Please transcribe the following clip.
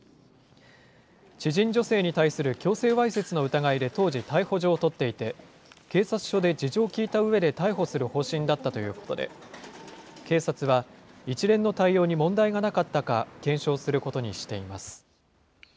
知人女性に対する強制わいせつの疑いで当時、逮捕状を取っていて、警察署で事情を聴いたうえで逮捕する方針だったということで、警察は、一連の対応に問題がなかったか検証することにしています。